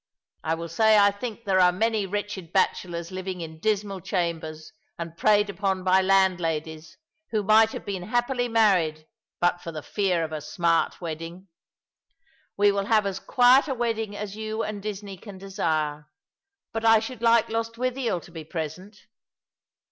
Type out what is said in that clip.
I will say I think there are many wretched bachelors living in dismal chambers, and preyed upon by landladies, who might have been happily married, but for the fear of a Bmart wedding. We will have as quiet [a wedding as you and Disney can desire ; but I should like Lostwithiel to be present.